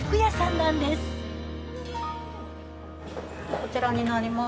こちらになります。